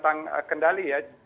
sekarang rentang kendali ya